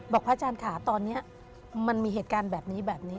พระอาจารย์ค่ะตอนนี้มันมีเหตุการณ์แบบนี้แบบนี้